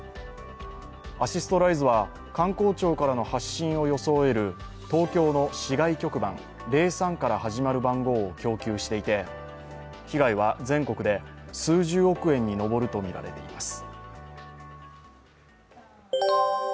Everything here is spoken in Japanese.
アシストライズは、官公庁からの発信を装える東京の市外局番、「０３」から始まる番号を供給していて被害は全国で数十億円に上るとみられています。